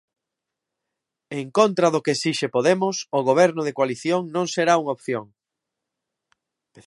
En contra do que esixe Podemos, o goberno de coalición non será unha opción.